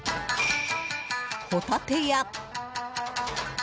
ホタテや。